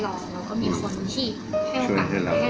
เราก็มีคนที่ให้โอกาสให้เราได้รอ